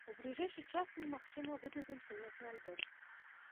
У бліжэйшы час мы, магчыма, выдадзім сумесны альбом.